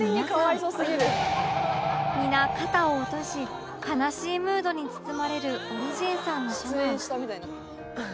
皆肩を落とし悲しいムードに包まれるオリジンさんの社内